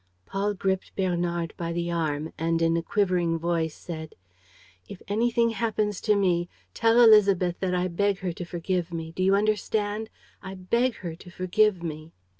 Paul gripped Bernard by the arm and, in a quivering voice, said: "If anything happens to me, tell Élisabeth that I beg her to forgive me. Do you understand? I beg her to forgive me."